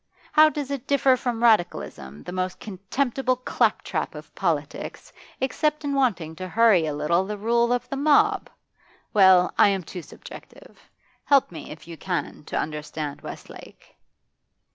How does it differ from Radicalism, the most contemptible claptrap of politics, except in wanting to hurry a little the rule of the mob? Well, I am too subjective. Help me, if you can, to understand Westlake.